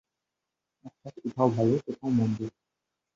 অর্থাৎ কোথাও ভালো, কোথাও মন্দ।